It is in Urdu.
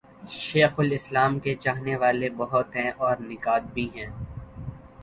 شیخ الاسلام کے چاہنے والے بہت ہیں اور نقاد بھی۔